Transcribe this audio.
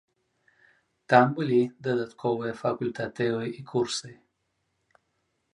Там былі дадатковыя факультатывы і курсы.